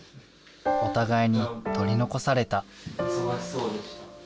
お互いに取り残された。